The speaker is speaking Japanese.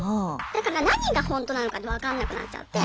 だから何が本当なのかって分かんなくなっちゃって。